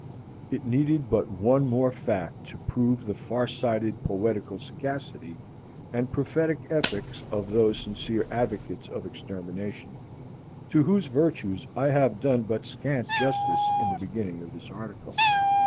It needed but one more fact to prove the far sighted poetical sagacity and prophetic ethics of those sincere advocates of extermination, to whose virtues I have done but scant justice in the beginning of this article.